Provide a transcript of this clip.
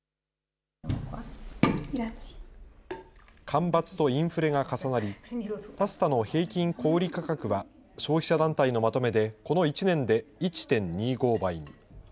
干ばつとインフレが重なり、パスタの平均小売価格は消費者団体のまとめで、この１年で１．２５倍に。